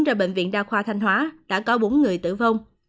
ra bệnh viện đa khoa thanh hóa đã có bốn người tử vong